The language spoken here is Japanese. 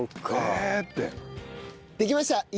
できました！